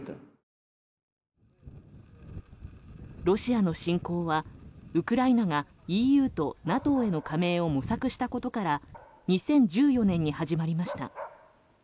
ロシアの侵攻はウクライナがＥＵとＮＡＴＯへの加盟を模索したことから２０１４年に始まりました。